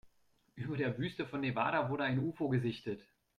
Über der Wüste von Nevada wurde ein Ufo gesichtet.